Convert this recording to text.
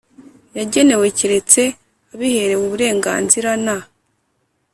yagenewe keretse abiherewe uburenganzira na